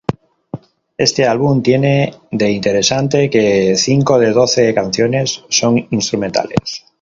Este álbum tiene de interesante que cinco de doce canciones son instrumentales.